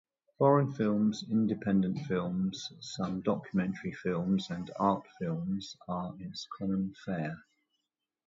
Foreign films, independent films, some documentary films and art films are its common fare.